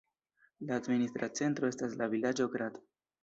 La administra centro estas la vilaĝo Grad.